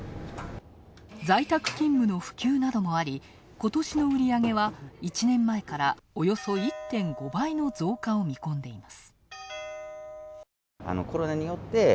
在宅勤務の普及などもありことしの売り上げは１年前からおよそ１．５倍の増加を見込んでいます。